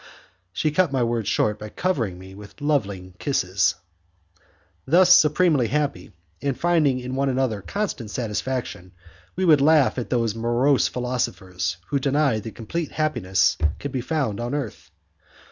she cut my words short by covering me with loving kisses. Thus supremely happy, and finding in one another constant satisfaction, we would laugh at those morose philosophers who deny that complete happiness can be found on earth.